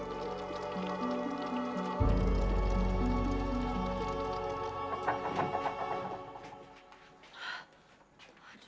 akhirnya kamu datang juga